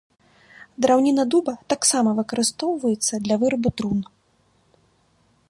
Драўніна дуба таксама выкарыстоўваецца для вырабу трун.